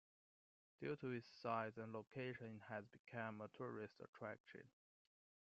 Due to its size and location, it has become a tourist attraction.